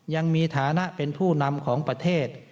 ยังมีฐานะเป็นผู้นำของประเทศ